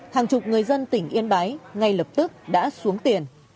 hàng chục người dân tỉnh yên bái ngay lập tức đã xuống tiền